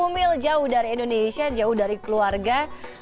tujuh ribu mil jauh dari indonesia jauh dari keluarga